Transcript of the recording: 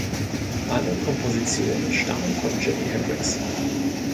Alle Kompositionen stammen von Jimi Hendrix.